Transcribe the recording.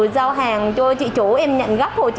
giao hàng cho chị chủ em nhận gấp